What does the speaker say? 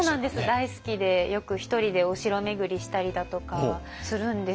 大好きでよく１人でお城巡りしたりだとかするんですよ。